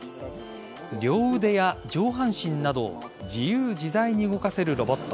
両腕や上半身など自由自在に動かせるロボット。